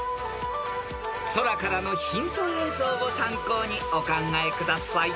［空からのヒント映像を参考にお考えください］